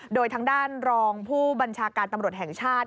โดยทางด้านรองผู้บัญชาการตำรวจแห่งชาติ